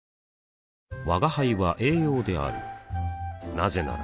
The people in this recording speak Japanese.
なぜなら